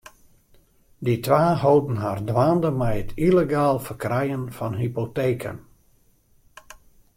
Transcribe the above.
De twa holden har dwaande mei it yllegaal ferkrijen fan hypoteken.